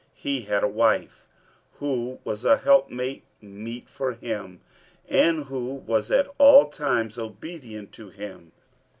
He had a wife who was a helpmate meet for him and who was at all times obedient to him.